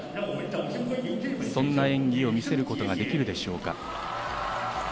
そんな演技を見せることができるでしょうか。